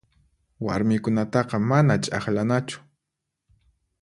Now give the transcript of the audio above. Warmikunataqa mana ch'aqlanachu.